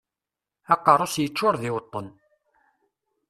Aqerru-s yeččuṛ d iweṭṭen.